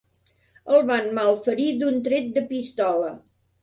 El van malferir d'un tret de pistola.